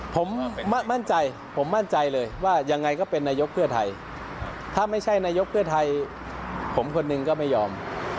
ผมมั่นใจผมมั่นใจเลยว่ายังไงก็เป็นนายกเพื่อไทยถ้าไม่ใช่นายกเพื่อไทยผมคนหนึ่งก็ไม่ยอม